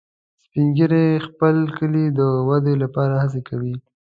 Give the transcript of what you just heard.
سپین ږیری د خپل کلي د ودې لپاره هڅې کوي